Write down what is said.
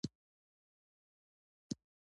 د غرونو پر لمن کې د اوبو غږ د سکون احساس راولي.